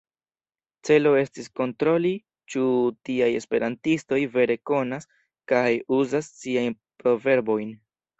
Celo estis kontroli, ĉu tiaj esperantistoj vere konas kaj uzas siajn proverbojn.